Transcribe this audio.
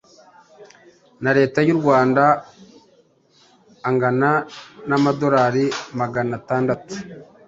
na leta y'u Rwanda angana n'amadolari maganatandatu